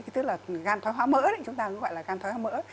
tức là gan thoái hóa mỡ chúng ta gọi là gan thoái hóa mỡ